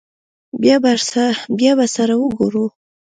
بيا به ورسره گورو.